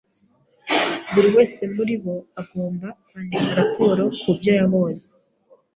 Buri wese muribo agomba kwandika raporo kubyo yabonye.